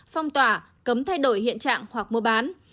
phong tỏa cấm thay đổi hiện trạng hoặc mua bán